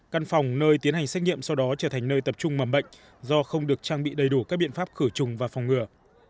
căn phòng nơi tiến hành xét nghiệm sau đó trở thành nơi tập trung mầm bệnh do không được trang bị đầy đủ các biện pháp khử trùng và phòng ngừa